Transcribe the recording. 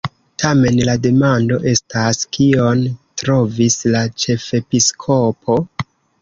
Tamen la demando estas: kion trovis la ĉefepiskopo?”